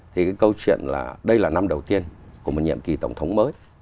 thì cái câu chuyện là đây là năm đầu tiên của một nhiệm kỳ tổng thống mới